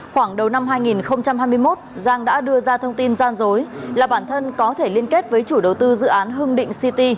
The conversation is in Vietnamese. khoảng đầu năm hai nghìn hai mươi một giang đã đưa ra thông tin gian dối là bản thân có thể liên kết với chủ đầu tư dự án hưng định city